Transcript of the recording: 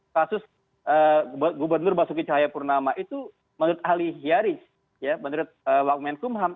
kasus gubernur basuki cahayapurnama itu menurut ahli hiarij ya menurut wakumen kumham